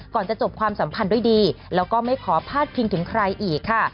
ก่อนจะจบความสัมพันธ์ด้วยดีแล้วก็ไม่ขอพาดพิงถึงใครอีกค่ะ